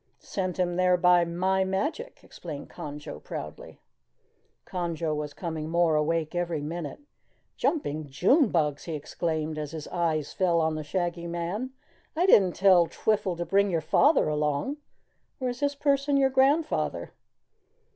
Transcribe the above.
Send him there by my magic," explained Conjo proudly. Conjo was coming more awake every minute. "Jumping June Bugs!" he exclaimed as his eyes fell on the Shaggy Man. "I didn't tell Twiffle to bring your Father along or is this person your Grandfather?"